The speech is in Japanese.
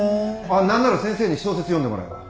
あっ何なら先生に小説読んでもらえば？